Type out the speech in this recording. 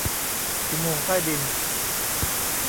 อุโมงค์ใต้ดิน